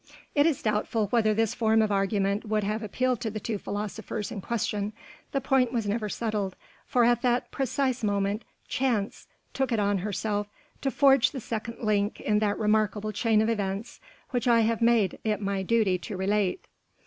It is doubtful whether this form of argument would have appealed to the two philosophers in question. The point was never settled, for at that precise moment Chance took it on herself to forge the second link in that remarkable chain of events which I have made it my duty to relate.